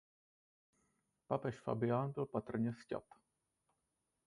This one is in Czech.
Papež Fabián byl patrně sťat.